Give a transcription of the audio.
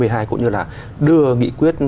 qua một mươi hai cũng như là đưa nghị quyết